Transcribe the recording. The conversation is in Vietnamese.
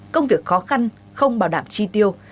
công việc khó khăn không bảo đảm chi tiêu